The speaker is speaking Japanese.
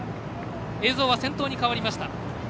映像は先頭に変わりました。